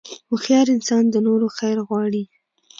هوښیار انسان د نورو خیر غواړي.